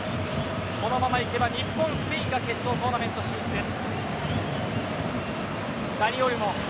このままいけば日本、スペインが決勝トーナメント進出です。